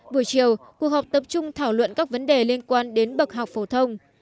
buổi chiều cuộc họp tập trung thảo luận các vấn đề liên quan đến bậc học phổ thông